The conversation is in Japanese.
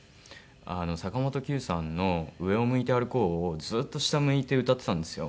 坂本九さんの『上を向いて歩こう』をずっと下向いて歌ってたんですよ。